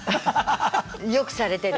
よくされてる。